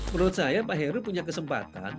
menurut saya pak heru punya kesempatan